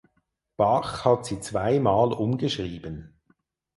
Bach hat sie zweimal umgeschrieben.